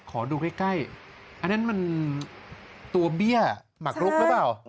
ขอดูใกล้อันนั้นมันตัวเบี้ยหมักลุกหรือเปล่า